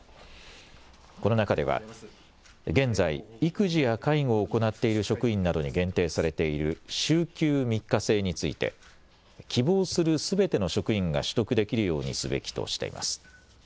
この中では現在、育児や介護を行っている職員などに限定されている週休３日制について希望するすべての職員が取得できるようにすべきとしています。